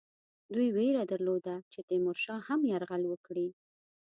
دوی وېره درلوده چې تیمورشاه هم یرغل وکړي.